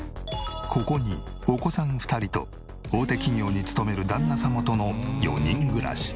ここにお子さん２人と大手企業に勤める旦那様との４人暮らし。